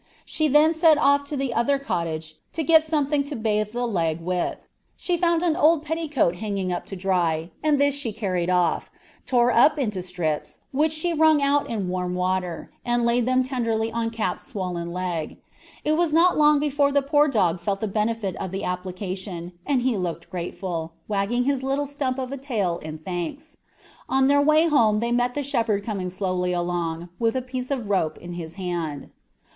She then set off to the other cottage to get something to bathe the leg with. She found an old flannel petticoat hanging up to dry, and this she carried off, and tore up into slips, which she wrung out in warm water, and laid them tenderly on Cap's swollen leg. It was not long before the poor dog felt the benefit of the application, and he looked grateful, wagging his little stump of a tail in thanks. On their way home they met the shepherd coming slowly along, with a piece of rope in his hand.